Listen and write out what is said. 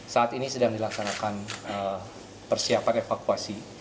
saat ini sedang dilaksanakan persiapan evakuasi